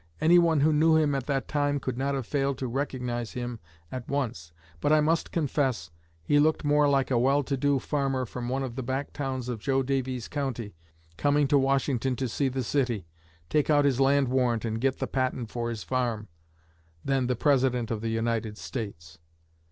Anyone who knew him at that time could not have failed to recognize him at once; but I must confess he looked more like a well to do farmer from one of the back towns of Jo Daviess County, coming to Washington to see the city, take out his land warrant and get the patent for his farm, than the President of the United States.